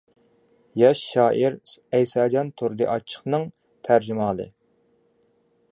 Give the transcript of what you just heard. ياش شائىر ئەيساجان تۇردى ئاچچىقنىڭ تەرجىمىھالى.